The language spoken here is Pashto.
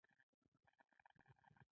رسۍ له تعادل سره مرسته کوي.